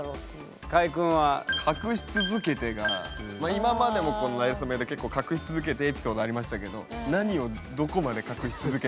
今までもこの「なれそめ」で結構「隠し続けて」エピソードありましたけど何をどこまで隠し続けたのか。